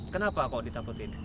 kenapa kok ditakutin